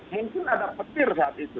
mungkin ada petir saat itu